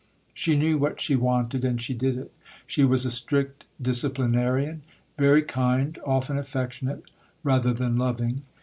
She knew what she wanted, and she did it. She was a strict disciplinarian; very kind, often affectionate, rather than loving.